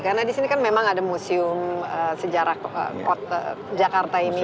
karena di sini kan memang ada museum sejarah jakarta ini